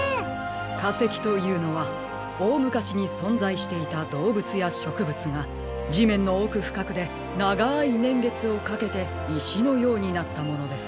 かせきというのはおおむかしにそんざいしていたどうぶつやしょくぶつがじめんのおくふかくでながいねんげつをかけていしのようになったものです。